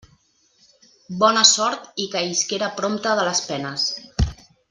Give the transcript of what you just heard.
Bona sort i que isquera prompte de les penes!